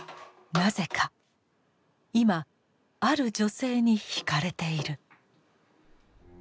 なぜか今ある女性に惹かれている。